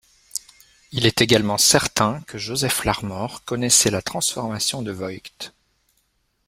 Il est également certain que Joseph Larmor connaissait la transformation de Voigt.